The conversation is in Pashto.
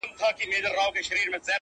د وطن پر جګو غرو نو د اسیا د کور ښاغلی -